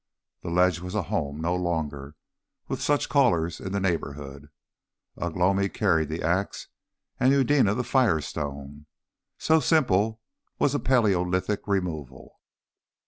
The ledge was a home no longer, with such callers in the neighbourhood. Ugh lomi carried the axe and Eudena the firestone. So simple was a Palæolithic removal.